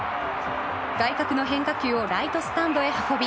外角の変化球をライトスタンドへ運び